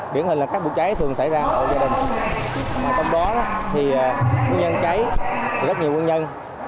điển hình là các bụi cháy thường xảy ra ở gia đình trong đó nguyên nhân cháy rất nhiều nguyên nhân